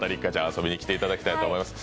遊びに来ていただきたいと思います。